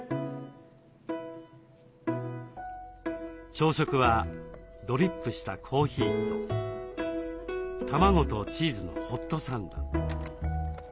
朝食はドリップしたコーヒーと卵とチーズのホットサンド。